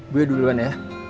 gue duluan ya